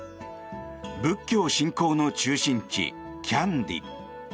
仏教信仰の中心地キャンディ。